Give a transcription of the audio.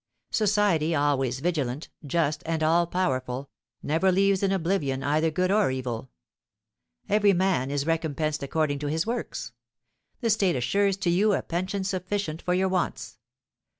Society, always vigilant, just, and all powerful, never leaves in oblivion either good or evil. Every man is recompensed according to his works. The state assures to you a pension sufficient for your wants.